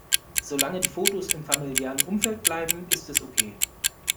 Solange die Fotos im familiären Umfeld bleiben, ist es okay.